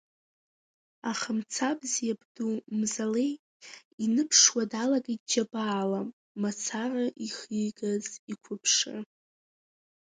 Аха Мцабз иабду Мзалеи иныԥшуа далагеит џьабаала мацара ихигаз иқәыԥшра.